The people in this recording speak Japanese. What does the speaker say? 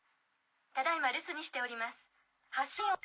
ただ今留守にしております。